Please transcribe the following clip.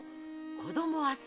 子供はさ